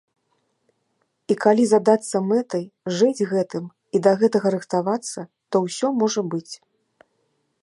І калі задацца мэтай, жыць гэтым і да гэтага рыхтавацца, то ўсё можа быць.